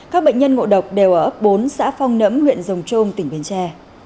các bệnh nhân ngộ độc đều ở ấp bốn xã phong nấm huyện rồng trông tỉnh biến tre